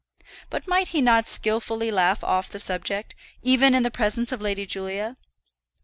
But might he not skilfully laugh off the subject, even in the presence of Lady Julia?